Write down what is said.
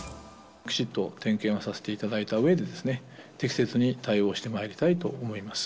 きちっと点検をさせていただいたうえで、適切に対応してまいりたいと思います。